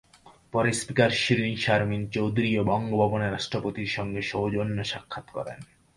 পরে স্পিকার শিরীন শারমিন চৌধুরীও বঙ্গভবনে রাষ্ট্রপতির সঙ্গে সৌজন্য সাক্ষাত্ করেন।